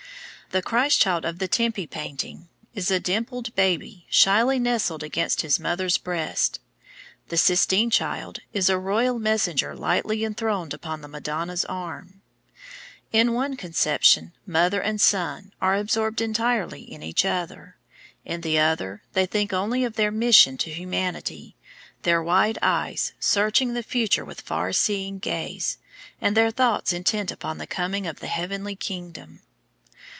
The Christ child of the Tempi painting is a dimpled baby shyly nestling against his mother's breast; the Sistine Child is a royal messenger lightly enthroned upon the Madonna's arm. In one conception, Mother and Son are absorbed entirely in each other; in the other, they think only of their mission to humanity, their wide eyes searching the future with far seeing gaze, and their thoughts intent upon the coming of the heavenly kingdom.